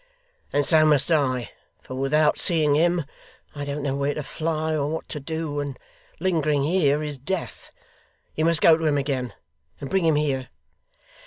'And so must I, for without seeing him, I don't know where to fly or what to do, and lingering here, is death. You must go to him again, and bring him here.